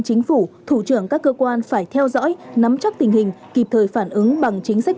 chính phủ thủ trưởng các cơ quan phải theo dõi nắm chắc tình hình kịp thời phản ứng bằng chính sách